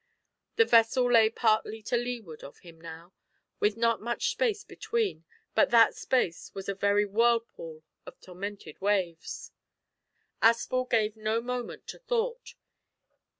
The vessel lay partially to leeward of him now, with not much space between, but that space was a very whirlpool of tormented waves. Aspel gave no moment to thought.